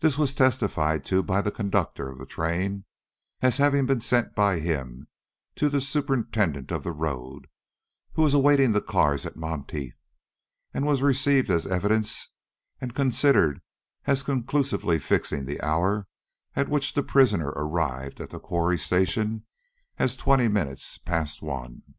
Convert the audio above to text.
This was testified to by the conductor of the train as having been sent by him to the superintendent of the road who was awaiting the cars at Monteith; and was received as evidence and considered as conclusively fixing the hour at which the prisoner arrived at the Quarry Station as twenty minutes past one.